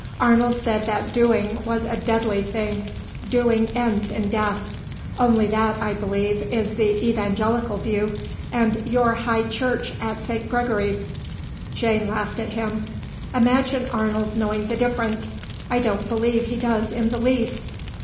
Arnold said that doing was a deadly thing, doing ends in death. "Only that, I believe, is the Evangelical view, and you're High Church at St. Gregory's." Jane laughed at him. "Imagine Arnold knowing the difference! I don't believe he does in the least.